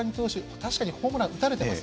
確かにホームラン打たれてます。